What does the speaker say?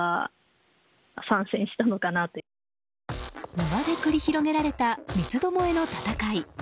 庭で繰り広げられた三つどもえの戦い。